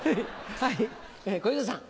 はい小遊三さん。